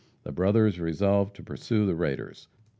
The brothers resolved to pursue the raiders.